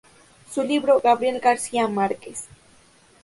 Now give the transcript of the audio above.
Su libro "Gabriel García Márquez.